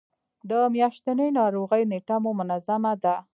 د میاشتنۍ ناروغۍ نیټه مو منظمه ده؟